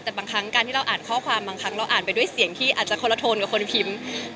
แต่บางครั้งการที่เราอ่านข้อความบางครั้งเราอ่านไปด้วยเสียงที่อาจจะคนละโทนกับคนพิมพ์